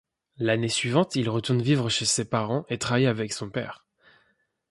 L'année suivante il retourne vivre chez ses parents et travaille avec son père.